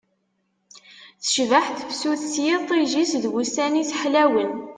Tecbeḥ tefsut s yiṭij-is d wussan-is ḥlawen